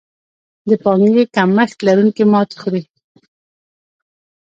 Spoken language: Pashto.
د پانګې کمښت لرونکي ماتې خوري.